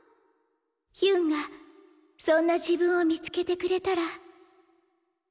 ヒュンがそんな自分を見つけてくれたらうれしいな。